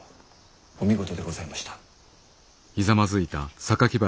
お見事でございました。